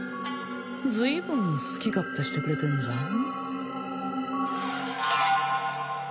ずいぶん好き勝手してくれてんじゃん